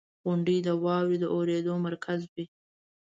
• غونډۍ د واورې د اورېدو مرکز وي.